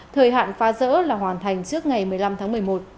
thời hạn phá rỡ là hoàn thành trước ngày một mươi năm tháng một mươi một